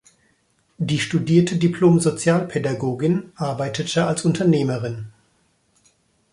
Die studierte Diplom-Sozialpädagogin arbeitete als Unternehmerin.